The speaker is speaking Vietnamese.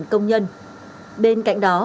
sáu trăm linh công nhân bên cạnh đó